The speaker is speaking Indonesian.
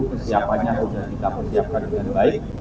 kesiapannya sudah kita persiapkan dengan baik